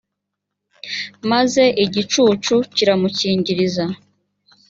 maze igicu kiramukingiriza